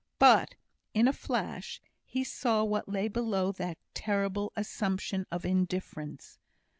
But, in a flash, he saw what lay below that terrible assumption of indifference.